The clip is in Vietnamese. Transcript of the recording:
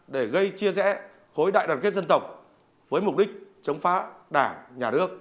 để gây chia rẽ khối đại đoàn kết dân tộc với mục đích chống phá đảng nhà nước